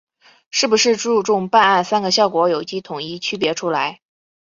是不是注重办案‘三个效果’有机统一区别出来